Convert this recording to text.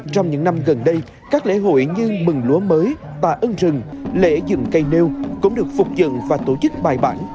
trong những năm gần đây các lễ hội như mừng lúa mới tà ưng rừng lễ dừng cây nêu cũng được phục dựng và tổ chức bài bản